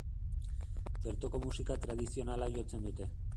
Bertoko musika tradizionala jotzen dute.